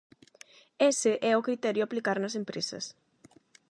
Ese é o criterio a aplicar nas empresas.